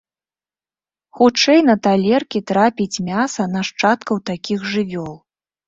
Хутчэй на талеркі трапіць мяса нашчадкаў такіх жывёл.